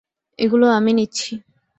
এগুলো আমি নিচ্ছি।